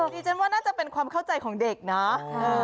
ดิฉันว่าน่าจะเป็นความเข้าใจของเด็กเนาะ